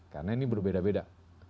karena ini berbeda beda